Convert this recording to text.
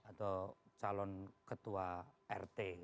atau calon ketua rt